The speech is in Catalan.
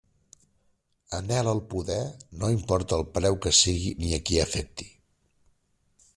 Anhela el poder, no importa el preu que sigui ni a qui afecti.